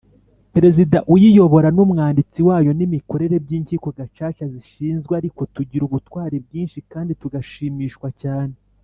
Perezida uyiyobora n umwanditsi wayo n imikorere by inkiko Gacaca zishinzwe Ariko tugira ubutwari bwinshi kandi tugashimishwa cyane